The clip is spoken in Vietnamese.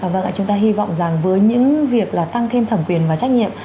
vâng ạ chúng ta hy vọng rằng với những việc là tăng thêm thẩm quyền và trách nhiệm